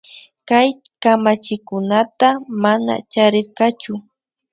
Kay kamachikunata mana charirkachu